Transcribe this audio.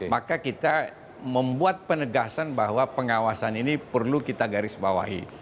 maka kita membuat penegasan bahwa pengawasan ini perlu kita garis bawahi